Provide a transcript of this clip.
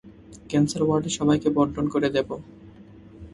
Cancer ওয়ার্ডে সবাইকে বন্টন করে দেবো।